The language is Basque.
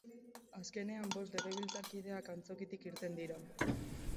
Azkenean, bost legebiltzarkideak antzokitik irten dira.